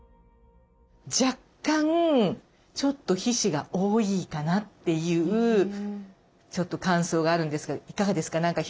若干ちょっと皮脂が多いかなっていうちょっと感想があるんですがいかがですか？